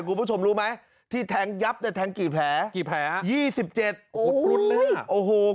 คุณผู้ชมรู้ไหมที่แทงกี้แผลสี่สิบเจ็ดโอ้โหคุณน่ะ